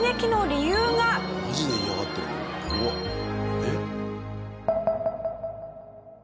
えっ？